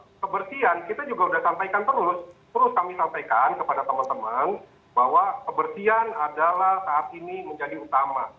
untuk kebersihan kita juga sudah sampaikan terus terus kami sampaikan kepada teman teman bahwa kebersihan adalah saat ini menjadi utama